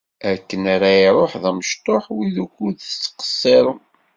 Akken ara iruḥ d amecṭuḥ, win ukud tettqeṣṣirem.